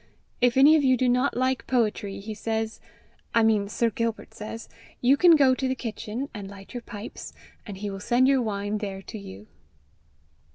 If any of you do not like poetry, he says I mean Sir Gilbert says you can go to the kitchen and light your pipes, and he will send your wine there to you."